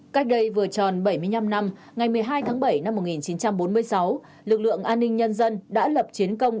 cách đây vừa tròn bảy mươi năm năm ngày một mươi hai tháng bảy năm một nghìn chín trăm bốn mươi sáu lực lượng an ninh nhân dân đã lập chiến công